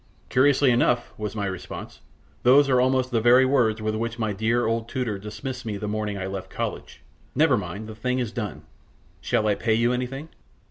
"Curiously enough," was my response, "those are almost the very words with which my dear old tutor dismissed me the morning I left college. Never mind, the thing is done. Shall I pay you anything?"